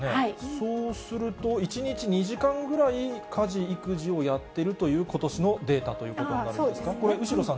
そうすると、１日２時間ぐらい、家事・育児をやっていることしのデータということなるんですか？